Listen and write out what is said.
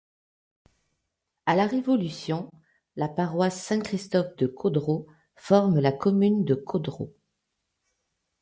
À la Révolution, la paroisse Saint-Christophe de Caudrot forme la commune de Caudrot.